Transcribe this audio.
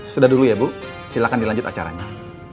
sudah dulu ya bu silakan dilanjut acaranya